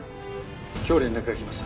今日連絡が来ました。